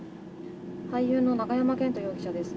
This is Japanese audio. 俳優の永山絢斗容疑者です。